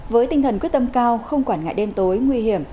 với tinh thần quyết tâm cao không quản ngại đêm tối nguy hiểm